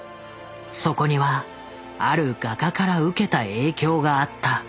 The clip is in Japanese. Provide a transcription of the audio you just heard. そこにはある画家から受けた影響があった。